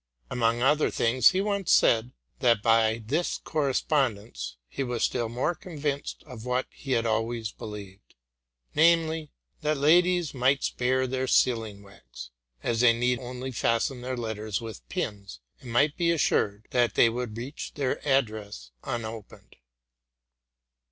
Among other things, he once said, that by this cor respondence he was still more convinced of what he had always believed, namely, that ladies might spare their sealing wax ; as they need only fasten their letters with pins, and might be assured that they would reach their address unopened.